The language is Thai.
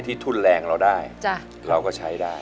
ทุนแรงเราได้เราก็ใช้ได้